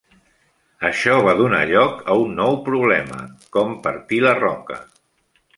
Això va donar lloc a un nou problema: com partir la roca.